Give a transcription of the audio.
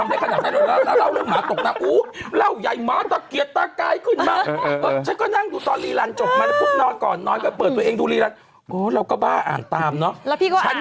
มองไม่เห็นโคโคนัตแต่ว่าเมื่อกี้ป้ายตัวเป็นปัง